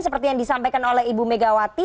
seperti yang disampaikan oleh ibu megawati